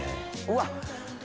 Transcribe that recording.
うわっ！